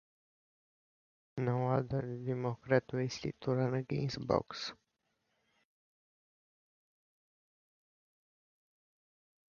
No other Democrat wanted to run against Boggs.